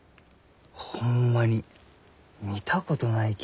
ホンマに見たことないき。